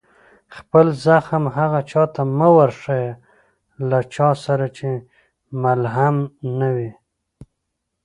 خپل زخم هغه چا ته مه ورښيه، له چا سره چي ملهم نه يي.